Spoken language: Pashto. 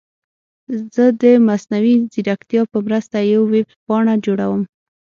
زه د مصنوعي ځیرکتیا په مرسته یوه ویب پاڼه جوړوم.